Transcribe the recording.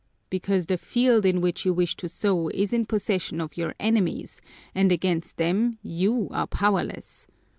"Because the field in which you wish to sow is in possession of your enemies and against them you are powerless.